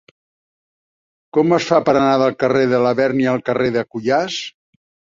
Com es fa per anar del carrer de Labèrnia al carrer de Cuyàs?